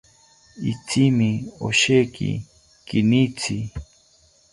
Itzimi osheki kinitzi